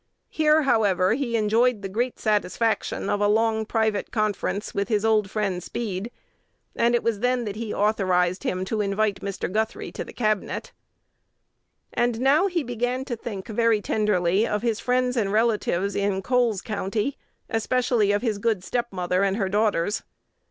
Here, however, he enjoyed the great satisfaction of a long private conference with his old friend Speed; and it was then that he authorized him to invite Mr. Guthrie to the Cabinet. And now he began to think very tenderly of his friends and relatives in Coles County, especially of his good stepmother and her daughters.